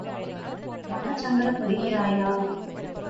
என்ன மனச் சங்கடப்படுகிறாயா?